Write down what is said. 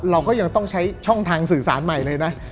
เราก็ยังต้องใช้ช่องทางสื่อสารใหม่เลยนะ